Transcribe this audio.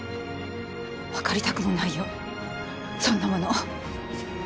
わかりたくもないよそんなもの。